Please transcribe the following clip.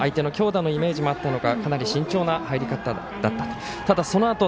相手は強打のイメージがあったのかかなり慎重な入り方だった。